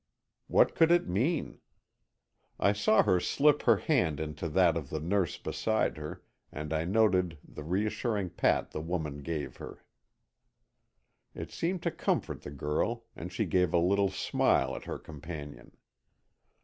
What could it mean? I saw her slip her hand into that of the nurse beside her, and I noted the reassuring pat the woman gave her. It seemed to comfort the girl, and she gave a little smile at her companion.